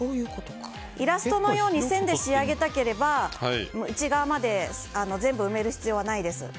イラストのように線で仕上げたければ内側まで全部埋める必要はないです。